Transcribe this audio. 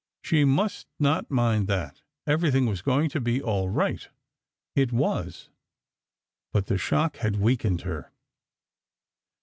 She must not mind that; everything was going to be all right. It was, but the shock had weakened her.